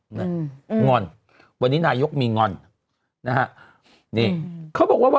อันนั้นก็จะมาจากจีนใช่ไหมคะ